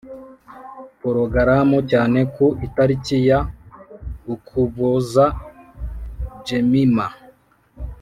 Porogaramu cyane ku itariki ya ukuboza jemima